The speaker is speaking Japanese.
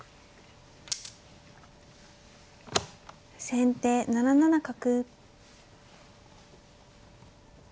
先手７七角。